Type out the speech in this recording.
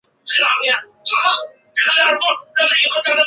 生态系统只是环境系统中的一个部分。